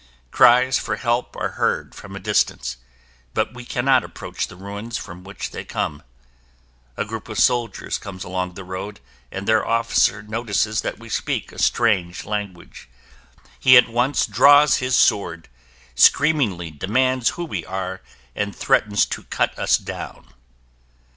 Cries for help are heard from a distance, but we cannot approach the ruins from which they come. A group of soldiers comes along the road and their officer notices that we speak a strange language. He at once draws his sword, screamingly demands who we are and threatens to cut us down.